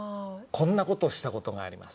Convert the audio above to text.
「こんな事をした事があります」